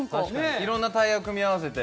いろんなタイヤを組み合わせて。